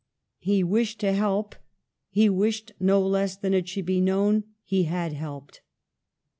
He wished to help : he wished no less that it should be known he had helped.